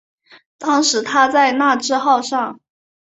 当时他在那智号上。